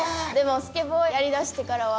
スケボーやりだしてからは。